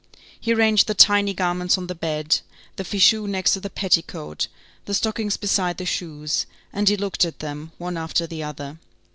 He arranged the tiny garments on the bed, the fichu next to the petticoat, the stockings beside the shoes, and he looked at them, one after the other.